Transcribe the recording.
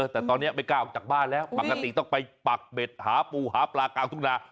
แต่ตอนนี้ไม่กล้าออกจากบ้านแล้วปกติต้องไปปักเบ็ดหาปูหาปลากลางทุ่งนา